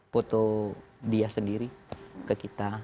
foto dia sendiri ke kita